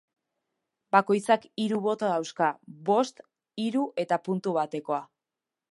Bakoitzak hiru boto dauzka, bost, hiru eta puntu batekoa.